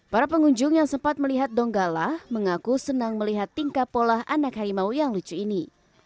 para pengunjung yang sempat melihat donggala mengaku senang melihat tingkat pola anak harimau yang lucu ini